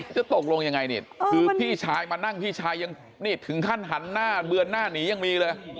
จะตกลงยังไงนี่คือพี่ชายมานั่งพี่ชายยังนี่ถึงขั้นหันหน้าเบือนหน้าหนียังมีเลย